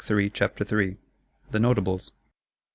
Chapter 1.3.III. The Notables.